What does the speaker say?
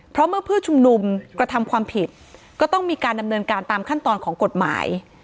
เพราะเมื่อผู้ชุมนุมกระทำความผิดก็ต้องมีการดำเนินการตามขั้นตอนของกฎหมาย